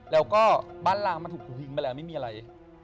แล้วก็บ้านล้างมันถูกทิ้งไปแล้วไม่มีอะไร